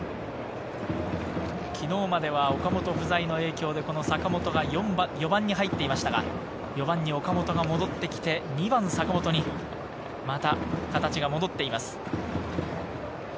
昨日までは岡本不在の影響で、この坂本が４番に入っていましたが、４番に岡本が戻ってきて、２番・坂本にまた形が戻っています。